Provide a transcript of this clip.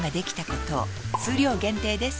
数量限定です